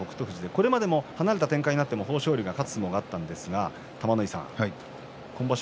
これまで離れた展開になっても豊昇龍が勝つ相撲はあったんですが今場所